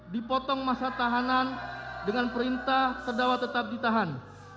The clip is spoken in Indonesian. dipotong masa tahanan dengan perintah terdakwa tetap ditahan